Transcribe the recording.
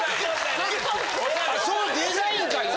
そういうデザインかいな。